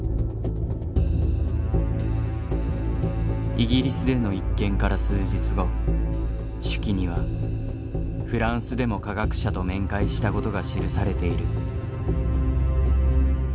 イギリスでの一件から数日後手記にはフランスでも科学者と面会したことが記されている。